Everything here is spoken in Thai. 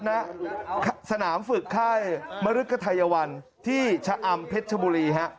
ณสนามฝึกค่ายมริกไทยวันที่ชะอำเพชรชบุรีฮะ